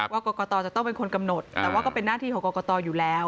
กรกตจะต้องเป็นคนกำหนดแต่ว่าก็เป็นหน้าที่ของกรกตอยู่แล้ว